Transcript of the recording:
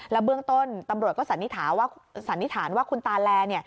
เบื้องต้นตำรวจก็สันนิษฐานว่าคุณตาแล